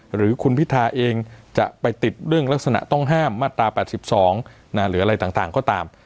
หรือคุณพิทาเองจะไปติดเรื่องลักษณะต้องห้ามมาตรา๘๒หรืออะไรต่างก็ตาม